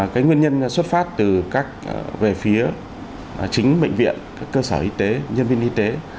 cái nguyên nhân xuất phát từ về phía chính bệnh viện các cơ sở y tế nhân viên y tế